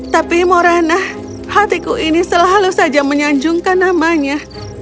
tapi morana hatiku ini selalu saja menyanjungkan namanya